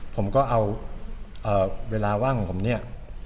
ผมก็เอาเวลาว่างของผมเนี่ย